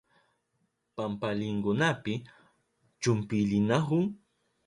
Pampalinkunapi chumpilinahun.